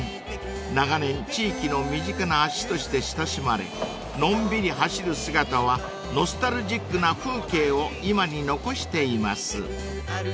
［長年地域の身近な足として親しまれのんびり走る姿はノスタルジックな風景を今に残しています］